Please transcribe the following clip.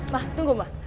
ma tunggu ma